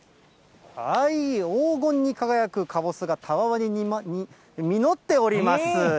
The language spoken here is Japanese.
黄金に輝くかぼすがたわわに実っております。